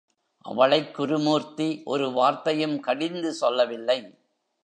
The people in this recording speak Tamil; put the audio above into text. அவளைக் குருமூர்த்தி ஒரு வார்த்தையும் கடிந்து சொல்லவில்லை.